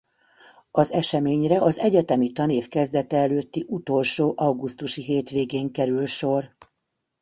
Az eseményre az egyetemi tanév kezdete előtti utolsó augusztusi hétvégén kerül sor.